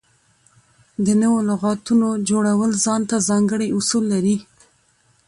د نوو لغاتونو جوړول ځان ته ځانګړي اصول لري.